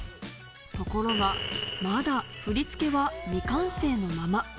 ところが、まだ振り付けは未完成のまま。